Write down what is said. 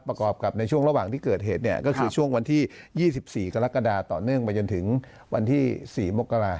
ประกอบกับในช่วงระหว่างที่เกิดเหตุเนี่ยก็คือช่วงวันที่๒๔กรกฎาต่อเนื่องไปจนถึงวันที่๔มกรา